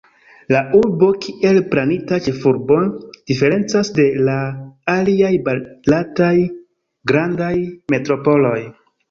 La urbo, kiel planita ĉefurbo, diferencas de la aliaj barataj grandaj metropoloj.